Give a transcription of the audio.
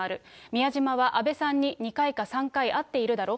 宮島は安倍さんに２回か３回会っているだろ。